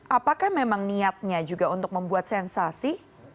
apakah memang niatnya juga untuk membuat sensasi